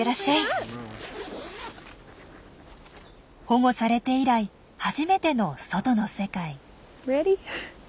保護されて以来初めての外の世界。